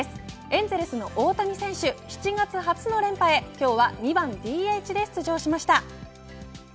エンゼルスの大谷選手７月初の連覇へ今日は２番ＤＨで出場しました。